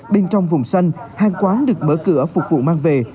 bên trong vùng xanh hàng quán được mở cửa phục vụ mang về